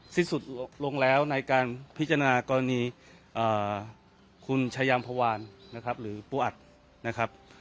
สิ้นสุดลงแล้วในการพิจารณากรณีคุณชายามพวานนะครับหรือปูอัดนะครับ